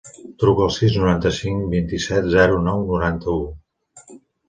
Truca al sis, noranta-cinc, vint-i-set, zero, nou, noranta-u.